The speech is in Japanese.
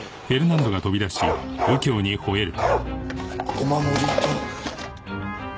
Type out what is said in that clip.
お守りと。